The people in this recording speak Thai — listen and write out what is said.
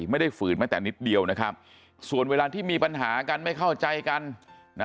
ฝืนแม้แต่นิดเดียวนะครับส่วนเวลาที่มีปัญหากันไม่เข้าใจกันนะ